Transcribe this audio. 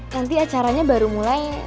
nanti acaranya baru mulai